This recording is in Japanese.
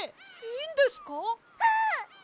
いいんですか？